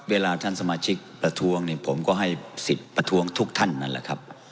เวลาท่านสมาชิกประท้วงเนี่ยผมก็ให้สิทธิ์ประท้วงทุกท่านนั่นแหละครับ